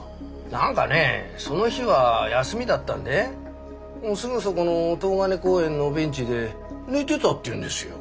何かねその日は休みだったんですぐそこの東金公園のベンチで寝てたって言うんですよ。